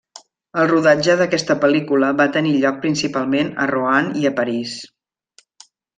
El rodatge d'aquesta pel·lícula va tenir lloc principalment a Roanne i a París.